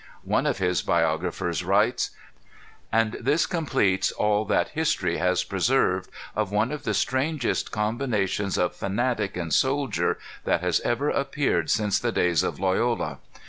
One of his biographers writes: "And this completes all that history has preserved of one of the strangest combinations of fanatic and soldier that has ever appeared since the days of Loyola.